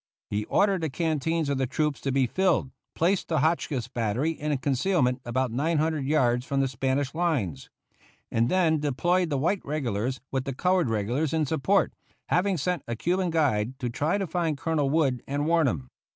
He ordered the canteens of the troops to be filled, placed the Hotchkiss battery in concealment about nine hundred yards from the Spanish lines, and then deployed the white regulars, with the colored regulars in support, having sent a Cuban guide to try to find Colonel Wood and warn him.